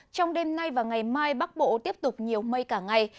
trong đêm nay và ngày mai bắc bộ tiếp tục nhiều mây cả ngày